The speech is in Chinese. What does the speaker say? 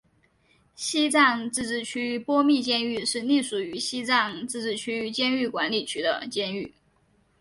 西藏自治区波密监狱是隶属于西藏自治区监狱管理局的监狱。